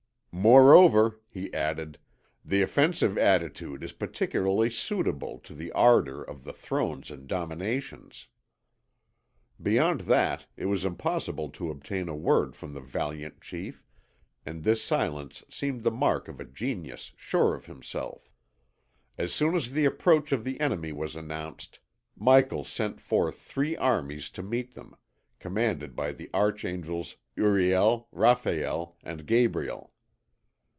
"Moreover," he added, "the offensive attitude is particularly suitable to the ardour of the Thrones and Dominations." Beyond that, it was impossible to obtain a word from the valiant chief, and this silence seemed the mark of a genius sure of himself. As soon as the approach of the enemy was announced, Michael sent forth three armies to meet them, commanded by the archangels Uriel, Raphael, and Gabriel.